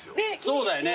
そうだよね。